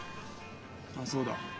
あっそうだ。